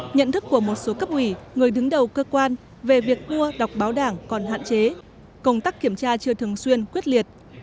nhận thức của một số cấp ủy người đứng đầu cơ quan về việc đua đọc báo đảng còn hạn chế công tác kiểm tra chưa thường xuyên quyết liệt